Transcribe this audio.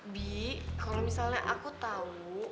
bi kalau misalnya aku tahu